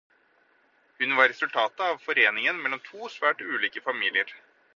Hun var resultatet av foreningen mellom to svært ulike familier.